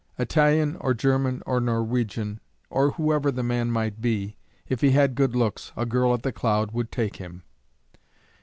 Italian, or German, or Norwegian, or whoever the man might be, if he had good looks, a girl at The Cloud would take him!